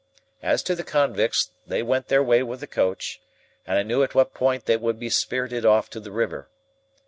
As to the convicts, they went their way with the coach, and I knew at what point they would be spirited off to the river.